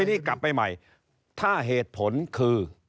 ทีนี้กลับไปใหม่ถ้าเหตุผลคือ